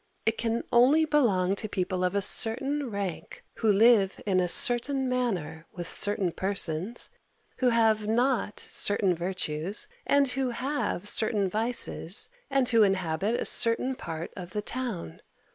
It can only belong to people of a certain rank, who live in a certain manner, with certain persons, who have not certain virtues, and who have certain vices, and who inhabit a certain part of the town.